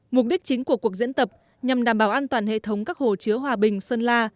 mục đích chính của cuộc diễn tập nhằm đảm bảo an toàn hệ thống các hồ chứa hòa bình sơn la